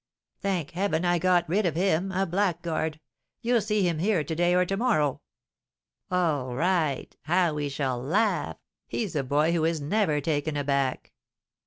"Thank heaven, I have got rid of him, a blackguard! You'll see him here to day or to morrow." "All right; how we shall laugh! He's a boy who is never taken aback!"